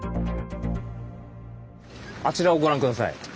あちらをご覧下さい。